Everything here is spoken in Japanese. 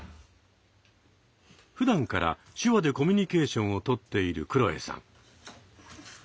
ふだんから手話でコミュニケーションを取っているくろえさん。